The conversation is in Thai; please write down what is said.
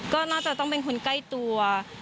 ก็น่าจะต้องเป็นคนใกล้ตัว